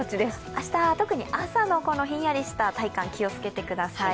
明日、特に朝のひんやりした体感気をつけてください。